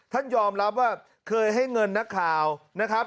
ท่านยอมรับว่าเคยให้เงินนักข่าวนะครับ